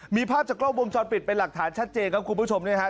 มีภาพจากกล้องวงจรปิดเป็นหลักฐานชัดเจนครับคุณผู้ชมเนี่ยฮะ